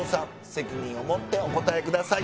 責任を持ってお答えください。